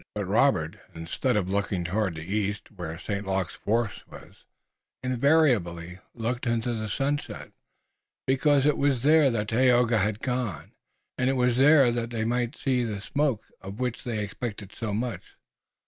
But Robert, instead of looking toward the east, where St. Luc's force was, invariably looked into the sunset, because it was there that Tayoga had gone, and it was there that they had seen the smoke, of which they expected so much.